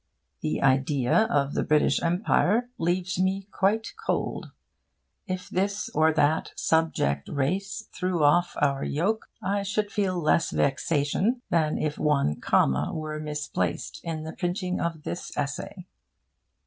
The idea of the British Empire leaves me quite cold. If this or that subject race threw off our yoke, I should feel less vexation than if one comma were misplaced in the printing of this essay.